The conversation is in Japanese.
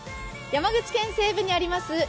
山口県西部にあります